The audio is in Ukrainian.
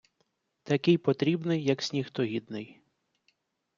Такий потрібний, як сніг тогідний.